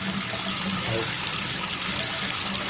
Ауто